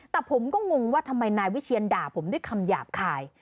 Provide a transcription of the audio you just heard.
แต่ผมก็งงว่าทำไมนายวิเชียนด่าผมด้วยคำหยาบคาย